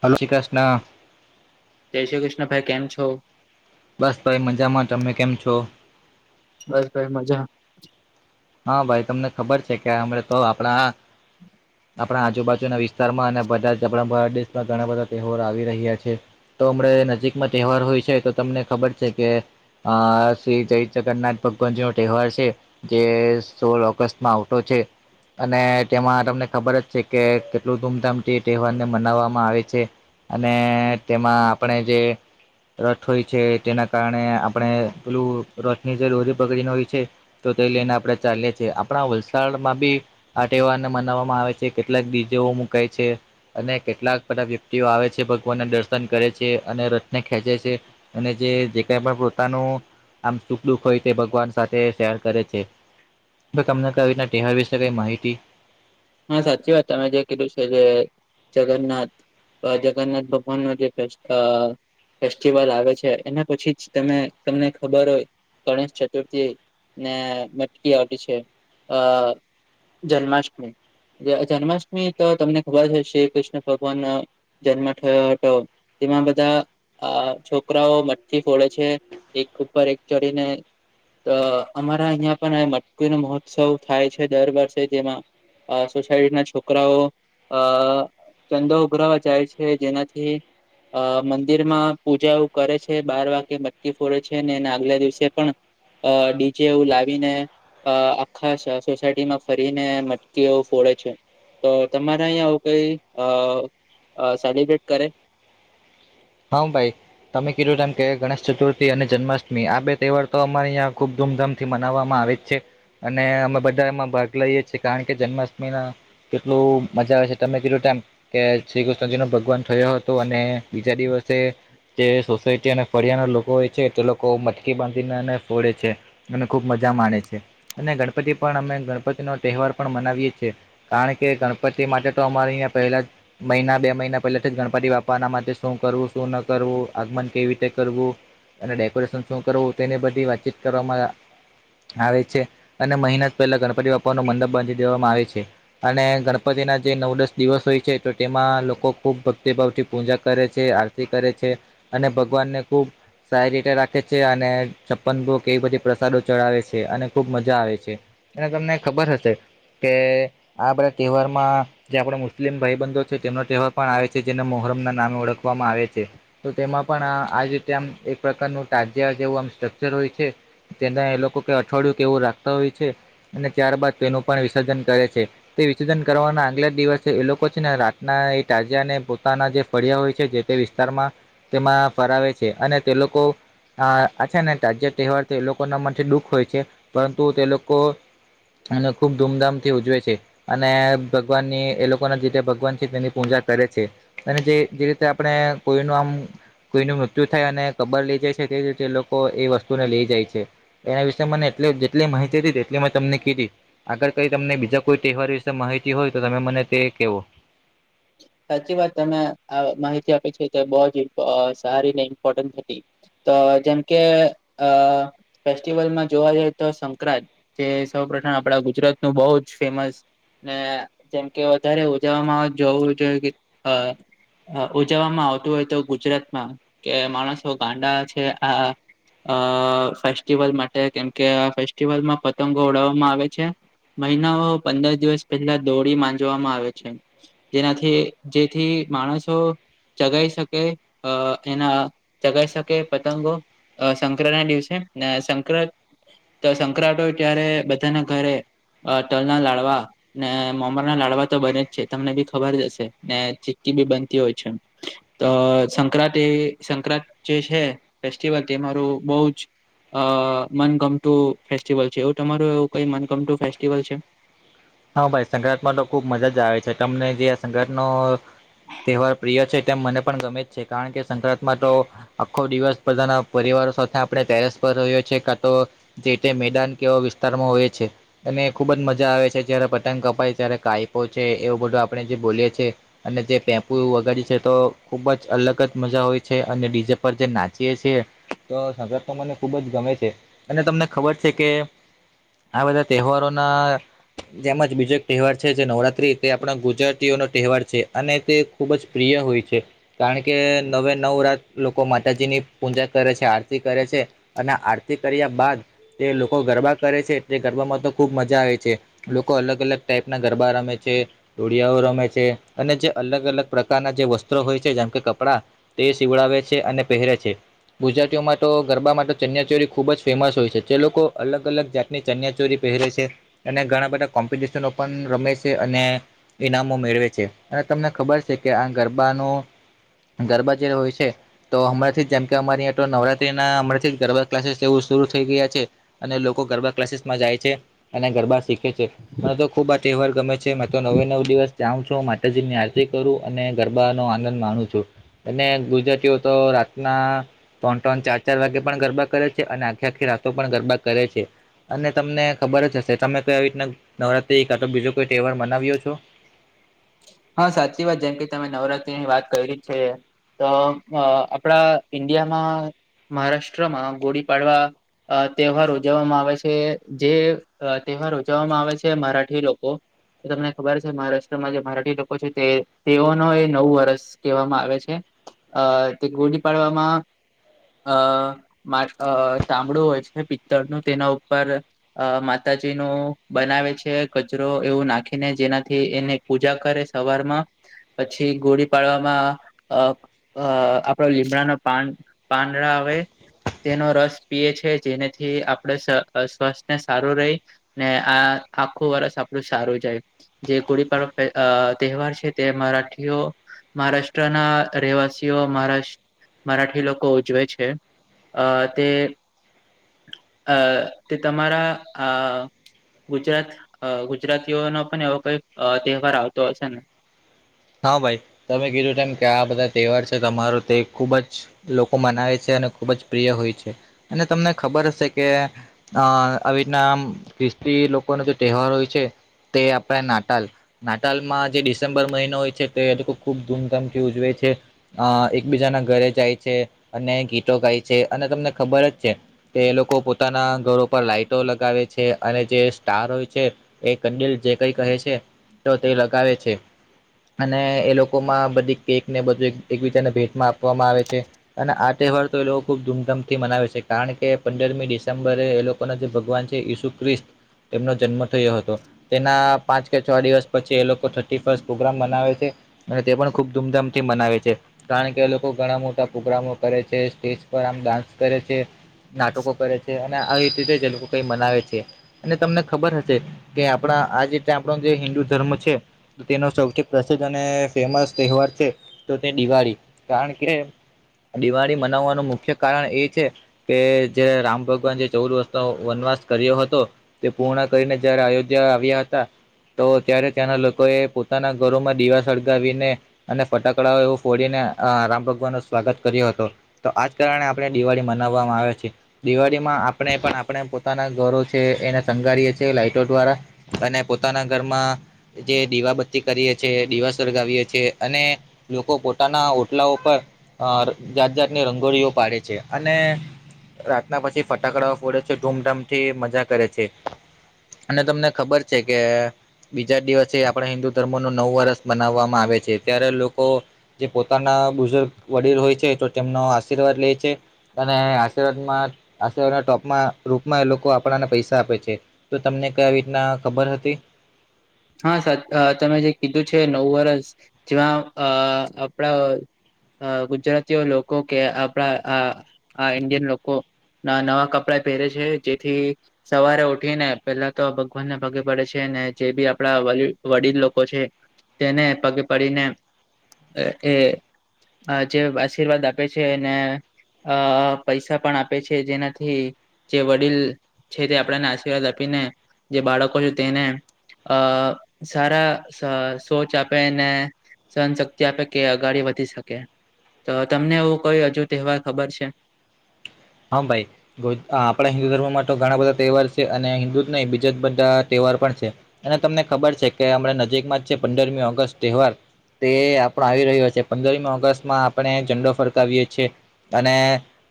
હ જય શ્રી કૃષ્ણ જય શ્રી કૃષ્ણ ભાઈ કેમ છો બસ ભાઈ મજામાં તમે કેમ છો? બસ ભઈ મજા હા ભાઈ તમને ખબર છે કે અમરે તો આપડા આપણા આજુબાજુના વિસ્તારમાં અને બધા જ આપણા ભારત દેશમાં ઘણા બધા તહેવારો આવી રહ્યા છે તો હમણા નજીકમાં તહેવાર હોય છે તો તમને ખબર છે કે અ શ્રી જય જગન્નાથ ભગવાનજી નો તહેવાર છે. જે સોળ ઓગસ્ટ માં આવતો છે. અને તેમાં તમને ખબર જ છે કે કેટલું ધૂમધામથી તહેવારને મનાવવામાં આવે છે અને તેમાં આપણે જે રથ હોય છે તેના કારણે આપણે પેલું રથ ની જે લોરી પકડીને હોય છે તો તે લઈને આપડણે ચાલીએ છીએ આપણા વલસાડમાં બી આ તહેવારને મનાવવામાં આવે છે કેટલાક બીજાઓ મુકાય છે અને કેટલાક બધા વ્યક્તિઓ આવે છે ભગવાનને દર્શન કરે છે અને રથને ખેંચે છે. અને જે જે કઈ પણ પોતાનું આમ સુખ દુખ હોય તે ભગવાન સાથે શેર કરે છે. તે તમને કઈ રીતના તહેવાર વિશે કઈ માહિતી હા સાચી વાત તમે જે કીધું છે જે જગન્નાથ જગન્નાથ ભગવાન નો જે રસ્તા ફેસ્ટિવલ આવે છે એના પછી જ તમે તમને ખબર હોય ગણેશ ચતુર્થી ને મટકી આવે છે આ જન્માષ્ટમી જન્માષ્ટમી તો તમને ખબર જ છે શ્રી કૃષ્ણ ભગવાન જન્મ થયો હતો તેમાં બધા આ છોકરાઓ મઠ્ઠથી ફોડે છે એક ઉપર એક ચડીને તો અમારા અહિયાં પણ મટકી નુ મહોત્સવ થાય છે દર વર્ષે જેમાં અ સોસાયટીના છોકરાઓ અ ચંદો ઉભરાવા જાય છે જેનાથી અ મંદિર માં પૂજા ઓ કરે છે બાર વાગ્યે મટકી ફોડે છે ને એના આગલા દિવસે પણ અ ડીજેવું લાવીને અ આખા સોસાયટી માં ફરીને કેઉ ફોડે છે તો તમારા અહીંયા આવું કઈ અ સેલિબ્રેટ કરે હા ભાઈ તમે કીધું તેમ કે ગણેશ ચતુર્થી અને જન્માષ્ટમી આ બે તહેવાર તો અમારી અહીં ખુબ ધૂમધામ થી મનાવવામાં આવે છે અને અમે બધા એમાં ભાગ લઈએ છીએ કારણ કે જન્માષ્ટમીના કેટલું મજા આવે છે તમે કીધું તેમ કે શ્રી કૃષ્ણજી નો ભગવાન થયો હતો અને બીજા દિવસ જે સોસાયટી અને ફરિયા ના લોકો હોય છે તે લોકો મટકી બાંધીનેને ફોડે છે અને ખૂબ મજા માણે છે અને ગણપતિ પણ અમે ગણપતિ નો તહેવાર પણ મનાવીએ છીએ કારણ કે ગણપતિ માટે તો અમારે અહીંયા પહેલા જ મહિના બે મહિના પહેલા થી જ ગણપતિ બાપાના માટે શું કરવું શું ન કરવું આગમન કેવી રીતે કરવું અને ડેકોરેશન શું કરવું તેને બધી વાતચીત કરવામાં આવે છે અને મહેનાત પહેલા ગણપતિ બાપા ન મંડપ બાંધી દેવામાં આવે છે અને ગણપતિ ના જે નવ દસ દિવસ હોય છે તો તેમાં લોકો ખુબ ભક્તિભાવ થી પૂજા કરે છે આરતી કરે છે અને ભગવાનને ખૂબ સારી રીતે રાખે છે અને છપ્પન ભોગ કેવી બધી પ્રસાદો ચડાવે છે અને ખુબ મજા આવે છે એ તમને ખબર હશે કે આ બધા તહેવારમાં જે આપણો મુસ્લિમ ભાઈબંધો છે તેમનો તહેવાર પણ આવે છે જેને મોહ્રમ નામે ઓળખવામાં આવે છે તો તેમાં પણ આજ રીતે આમ એક પ્રકારનું તાજિયા જેવું આમ સ્ટ્રક્ચર હોય છે તેના એ લોકો કે અઠવાડિયું કેવું રાખતા હોય છે અને ત્યારબાદ તેનું પણ વિસર્જન કરે છે તે વિસર્જન કરવાના આગલા જ દિવસ એ લોકો છે ને રાતના એ તાજા અને પોતાના જે ફળિયા હોય છે તે વિસ્તારમાં તેમાં ફરાવે છે અને તે લોકો અ આ છે ને તજ જે તહેવાર એ લોકોના માટે દુઃખ હોય છે પરંતુ તે લોકો અને ખુબ ધૂમધામ થી ઉજવે છે અને ભગવાનની એ લોકો ના જે ભગવાન છે તેની પૂજા કરે છે અને જે જે રીતે આપણે કોઈ ન આમ કોઈ ન મૃત્યુ થાય અને કબર લઇ જાય છે તે તે લોકો એ વસ્તુને લઈ જાય છે એના વિશે મને એટ જેટલી માહિતી હતી તેટલી મેં તમને કીધી આગળ કઈ તમને બીજા કોઈ તહેવાર વિશે માહિતી હોય તો તમે મને તે કેવો સાચી વાત તમે આ માહિતી આપી છે તે બહ જ સારી ને ઇમ્પોર્ટન્ટ હતી તો જેમ કે અ ફેસ્ટિવલમાં જોવા જઈએ તો સંક્રાંત જે સૌ પ્રથમ આપણા ગુજરાત નું બહુ જ ફેમસ ને જેમ કે વધારે ઉજવવામાં જોવું જોઈએ કે હ ઉજવવામાં આવતું હોય તો ગુજરાતમાં કે માણસો ગાંડા છે આ અ ફેસ્ટિવલ માટે કેમકે આ ફેસ્ટિવલમાં પતંગો ઉડાવવામાં આવે છે મહિનાઓ પંદર દિવસ પહેલા દોડી માંજવામાં આવે છે જેનાથી જેથી માણસો ચગાઈ શકે અ એના ચગાઈ શકે પતંગો સંક્રતના ના દિવસે ને સંક્ર તો સંક્રાત હોય ત્યારે બધાના ઘરે અ તલના લાડવા ને મોમરના લાડવા તો બને જ છે તમને બી ખબર જશે ને ચીકી બી બનતી હોય છે એ અ સંક્રાંત એ સંક્રાંત જે છે ફેસ્ટિવલ તે મારું બહ જ અ મનગમતું ફેસ્ટિવલ છે એવું તમારું એવું કઈ મનગમતું ફેસ્ટિવલ છે હા ભાઈ સંગ્રાતમાં તો ખુબ મજા આવે છે તમને જે સંક્રતનો તહેવાર પ્રિય છે તેમ મને પણ ગમે છે કારણ કે સંક્રાંતમાં તો આખો દિવસ બધાના પરિવારો સાથે આપણે ટેરેસ પર રહ્યો છી કા તો જે તે મેદાન કેવા વિસ્તારમાં હોય છે અને ખુબ જ મજા આવે છે જારે પતંગ કપાય ત્યારે કાપો છે એવું બધું આપડણે જે બોલીએ છીએ અને જે પેમ્પુ વગેરે છે તો ખુબ જ અલગ જ મજા હોય છે અને ડીજે પર જે નાચીએ છ છે તો સક્રાત તો મને ખુબ જ ગમે છે અને તમને ખબર છે કે આ બધા તહેવારોના જેમજ બીજો એક તહેવાર છે જે નવરાત્રી તે આપણા ગુજરાતીઓનો તહેવાર છે અને તે ખુબ જ પ્રિય હોય છે. કારણ કે નવે નવ રાત લોકો માતાજીની પૂજા કરે છે આરતી કરે છે અને આરતી કર્યા બાદ તે લોકો ગરબા કરે છે તે ગરબામાં તો ખૂબ મજા આવે છે. લોકો અલગ અલગ ટાઈપ ના ગરબા રમે છે. દોળિયાઓ રમે છે અને જે અલગ અલગ પ્રકારના જે વસ્ત્રો હોય છે જેમ કે કપડા તે સીવડાવે છે અને પહેરે છે ગુજરાતીઓમાં તો ગરબામાં તો ચન્યાચોરી ખુબ જ ફેમસ હોય છે જે લોકો અલગ અલગ જાત ની ચન્યા ચોરી પહેરે છે અને ઘણા બધા કોમ્પિટિશનો પણ રમે છે અને ઈનામો મેળવે છે અને તમને ખબર છે કે આ ગરબાનો ગરબા જ્યારે હોય છે. તો હમણાં થી જેમ કે અમારી નવરાત્રી ના હમણાથી જ ગરબા ક્લાસીસ એવું શરૂ થઈ ગયા છે અને લોકો ગરબા ક્લાસીસ માં જાય છે અને ગરબા શીખે છે. મને તો ખુબ આ તહેવાર ગમે છે તો નવે નવ દિવસ જાઉં છો માતાજી ની આરતી કરું અને ગરબાનો આનંદ માણુ છું અને ગુજરાતીઓ તો રાતના ત્રણ ત્રણ ચાર ચાર વાગે પણ ગરબા કરે છે અને આખે આખી રાતો પણ ગરબા કરે છે અને તમને ખબર જ હશે તમે કોઈ આવી રીતના નવરાત્રી બીજો કોઈ તહેવાર મનાવ્યો છો હા સાચી વાત જેમ કે તમે નવરાત્રીની વાત કરેલી છે તો અ આપણા ઈન્ડિયામાં મહારાષ્ટ્રમાં ગુડી પાડવા અ તહેવાર ઉજવવામાં આવે છે જે અ તહેવાર ઉજવવામાં આવે છે મરાઠી લોકો તમને ખબર છે મહારાષ્ટ્રમાં જે મરાઠી લોકો પછી તે ઓનો એ નવું વર્ષ કહેવામાં આવે છે. અ તે ગુડી પાડવામાં. અ મા ચામડું હોય છે પિત્તળનું તેના ઉપર અ માતાજી નું બનાવે છે કચરો એવું નાખીને જેનાથી એને પૂજા કરે છે. સવારમાં પછી ગુડી પાડવામાં અ આપણો લીમડા નું પણ પાંદડા આવે તેનો રસ પીએ છે જેનેથી આપણે સ્વ સ્વાસ્થને સારું રહી ને આ આખું વરષ આપણું સારું જાય જે ગુડી પર અ તહેવાર છે તે મરાઠીઓ મહારાષ્ટ્રના રહેવાસીઓ મહારા મરાઠી લોકો ઉજવે છે અ તે અ તે તમારા આ ગુજરાત અ ગુજરાતીઓનો પણ એવો કઈ તહેવાર આવતો હશે ને હા ભાઈ તમે કીધું તેમ કે આ બધા તહેવાર છે તમારો તે ખુબ જ લોકો મનાવે છે અને ખુબ જ પ્રિય હોય છે અને તમને ખબર હશે કે અ આવી રીતના આમ ખ્રિસ્તી લોકો નું જે તહેવાર હોય છે. તે આપણે નાતાલ નાતાલ માં જે ડિસેમ્બર મહિનો હોય તો એ લોકો ખુબ ધૂમધામથી ઉજવે છે. અ એકબીજાના ઘરે જાય છે અને ગીતો ગાય છે અને તમને ખબર જ છે. તે એ લોકો પોતાના ઘરો પર લાઈટો લગાવે છે અને જે સ્ટાર હોય છે. એ કંડિલ જે કઈ કહે છે તો તે લગાવે છે. અને એ લોકો માં બધી કેક ને બધું એકબીજાને ભેટમાં આપવામાં આવે છે. અને આ તહેવાર તો એ લોકો ખુબ ધૂમધામથી મનાવે છે કારણ કે પંદરમી ડિસેમ્બરે એ લોકો ઉપરના જે ભગવાન છે ઈસુ ખ્રિસ્ત તેમનો જન્મ થયો હતો તેના પાંચ કે છ દિવસ પછી એ લોકો થર્ટી ફર્સ્ટ પ્રોગ્રામ માંથી લાવે છે અને તે પણ ખુબ ધૂમધામથી મનાવે છે. કારણ કે લોકો ઘણા મોટા પ્રગ્રામો કરે છે સ્ટેજ પર આમ ડાન્સ કરે છે. નાટકો કરે છે અને આવી જ રીતે લોકો કઈ મનાવે છે. અને તમને ખબર હશે કે આપણા આ જે આપણો જે હિન્દુ ધર્મ છે તેનો સૌથી પ્રસિદ્ધ અને ફેમસ તહેવાર છે તો તે દિવાળી કારણ કે દિવાળી મનાવવાનું મુખ્ય કારણ એ છે. કે જે રામ ભગવાન જે ચૌદ વર્ષનો વનવાસ કર્યો હતો. તે પૂર્ણ કરીને જયારે અયોધ્યા આવ્યા હતા તો ત્યારે ત્યાંના લોકો એ પોતાના ઘરોમાં દીવા સળગાવી ને અને ફટાકડાઓ એવું ફોડીને રામ ભગવાન નો સ્વાગત કર્યો હતો. તો આજ કારણે આપણે દિવાળી મનાવવામાં આવે છે. દિવાળીમાં આપણે પણ આપણે પોતાના ઘરો છે એને શંગારીએે છીએ લાાઈટો દ્વારા. અને પોતાના ઘરમાં જે દીવાબત્તી કરીએ છે દીવા સળગાવીએ છી અને લોકો પોતાના હોટલાઓ પર અ જાત જાતની રંગોળીઓ પાડે છે અને રાતના પછી ફટાકડા ઓ ફોડે છે ધૂમધામ થી મજા કરે છે. અને તમને ખબર છે કે બીજા દિવસે આપણે હિન્દુ ધર્મો નો નવુ વર્ષ બનાવવામાં આવે છે ત્યારે લોકો જે પોતાના બુઝુર્ગ વડીલ હોય છે તો તેમનો આશીર્વાદ લે છે. અને આશીર્વાદમાં આશીર્વાદના ટોપમાં રૂપમાં એ લોકો આપણાને પૈસા આપે છે. તો તમને [unintelligible] રીતના ખબર હતી. હા સર તમે જે કીધું છે નવો વર્ષ જેમાં અ આપણા અ ગુજરાતીઓ લોકો કે આપણા આ આ ઇન્ડિયન લોકો ના નવા કપડા પહેરે છે જેથી સવારે ઉઠી ને પેલા તો ભગવાનને ભાગે પડે છે ને જે બી આપણા વડીલ લોકો છે તેને પગે પડીને એ એ આ જે આશીર્વાદ આપે છે એને અ પૈસા પણ આપે છે જેનાથી જે વડીલ છે તે આપણેને આશીર્વાદ આપીને જે બાળકો છે તેને અ સારા સોચ આપેને સહન શક્તિ આપે કે અગાડી વધી શકે તો તમને એવું કોઈ હજુ તહેવાર ખબર છે. હા ભાઈ. આપણા હિન્દુ ધર્મમાં તો ઘણા બધા તહેવાર છે અને હિન્દુ જ નહીં બીજા બધા તહેવાર પણ છે. અને તમને ખબર છે કે હમણાં નજીક માં જ છે પંદરમી ઓગસ્ટ તહેવાર. તે આપણો આવી રહ્યો છે પંદરમી ઓગસ્ટમાં આપણે ઝંડો ફરકાવીએ છીએ. અને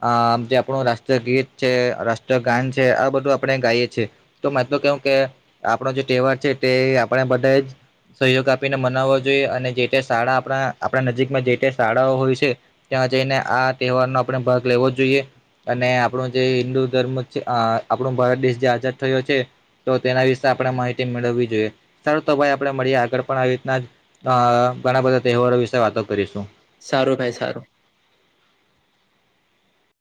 અ જે આપણું રાષ્ટ્રીય ગીત છે રાષ્ટ્રગાન છે આ બધું આપણે ગાઈએ છીએ. તો મત તો કેવું કે આપણ જે તહેવાર છે તે આપણે બધે જ સહયોગ આપીને મનાવવો જોઈએ અને જે તે શાળા આપણા આપણા નજીકમાં જે તે શાળાઓ હોય છે. ત્યાં જઈને આ તહેવારનો આપણે ભાગ લેવો જોઈએ. અને આપણો જે હિન્દુ ધર્મ છે આ આપણો ભારત દેશ જે આઝાદ થયો છે. તો તેના વિશે આપણે માહિતી મેળવી જોઈએ સારું તો ભાઈ આપણે મળીએ આગળ પણ આવી રીતના જ અ ઘણા બધા તહેવારો વિશે વાતો કરીશું. સારું ભાઈ સારું.